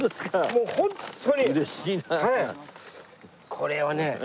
これはね